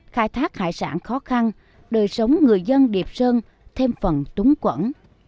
khai thác hải sản khó khăn đời sống người dân điệp sơn thêm phần túng quẩn